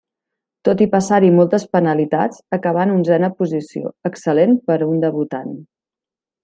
Tot i passar-hi moltes penalitats acabà en onzena posició, excel·lent per a un debutant.